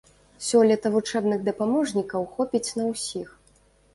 Сёлета вучэбных дапаможнікаў хопіць на усіх.